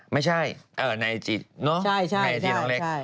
ไม่ใช่ในไอจีน้องเล็ก